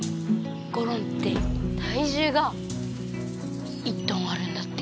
ゴロンってたいじゅうが１トンあるんだって！